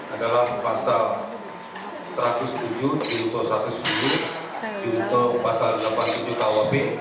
adalah pasal satu ratus tujuh satu ratus tujuh satu ratus tujuh pasal delapan puluh berkaitan dengan masalah pemakar